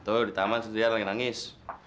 tuh di taman dia lagi nangis